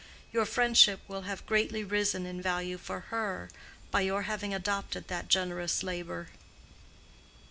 Your friendship will have greatly risen in value for her by your having adopted that generous labor."